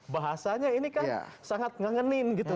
bahasanya ini kan sangat ngangenin gitu